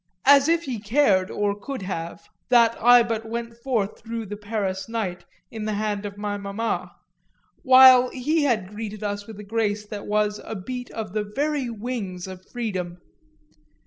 As if he cared, or could have, that I but went forth through the Paris night in the hand of my mamma; while he had greeted us with a grace that was as a beat of the very wings of freedom!